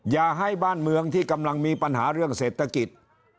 อย่าให้บ้านเมืองที่กำลังมีปัญหาเรื่องเศรษฐกิจ